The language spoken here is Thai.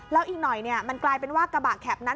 แล้วอีกหน่อยมันกลายเป็นว่ากระบะแข็บนั้น